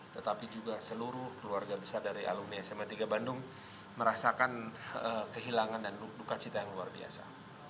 tetapi juga seluruh keluarga besar dari alumni sma tiga bandung merasakan kehilangan dan duka cita yang luar biasa